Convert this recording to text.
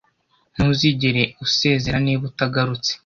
ntuzigere usezera niba utagarutse